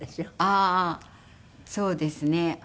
ああーそうですね。